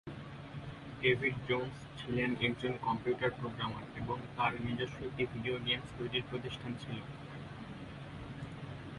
David Jones ছিলেন একজন computer programmer এবং তার নিজস্ব একটি ভিডিও গেমস তৈরির প্রতিষ্ঠান ছিল।